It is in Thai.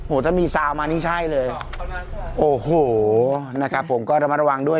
โอ้โหถ้ามีซาวมานี่ใช่เลยโอ้โหนะครับผมก็ระมัดระวังด้วย